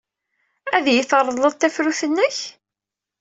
Ad iyi-treḍled tafrut-nnek?